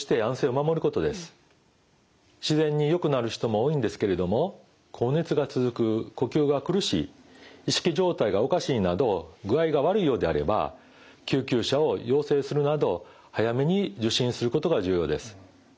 自然によくなる人も多いんですけれども高熱が続く呼吸が苦しい意識状態がおかしいなど具合が悪いようであれば救急車を要請するなど早めに受診することが重要です。